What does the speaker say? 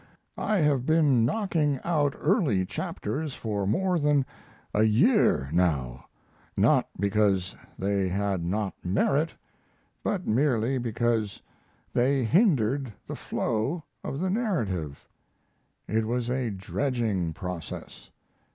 I have been knocking out early chapters for more than a year now, not because they had not merit, but merely because they hindered the flow of the narrative; it was a dredging process.